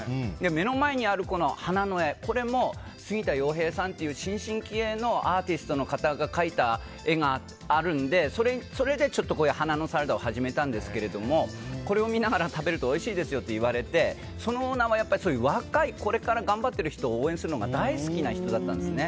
目の前にある花の絵も杉田陽平さんという新進気鋭のアーティストの方が描いた絵があるのでそれでちょっと花のサラダを始めたんですけれどもこれを見ながら食べるとおいしいですよって言われてそのオーナーは若い、これから頑張っている人を応援するのが大好きな人だったんですね。